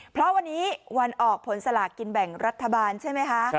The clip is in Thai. เพราะวันนี้วันออกผลสลากกินแบ่งรัฐบาลใช่ไหมคะ